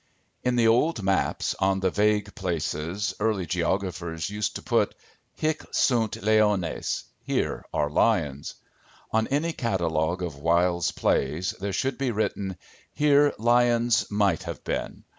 In the old maps, on the vague places, early geographers used to put: Hic sunt leones Here are lions. On any catalogue of Wilde's plays there should be written: Here lions might have been.